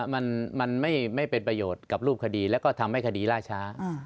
มันไม่เป็นประโยชน์กับรูปคดีแล้วก็ทำให้คดีล่าช้า